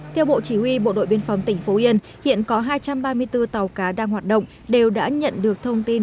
theo bộ chỉ huy bộ đội biên phòng tỉnh phú yên hiện có hai trăm ba mươi bốn tàu cá đang hoạt động đều đã nhận được thông tin